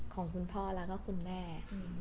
ของคุณพ่อแล้วก็คุณแม่